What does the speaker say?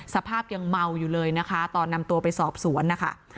สภาพยังเมาอยู่เลยนะคะตอนนำตัวไปสอบสวนนะคะ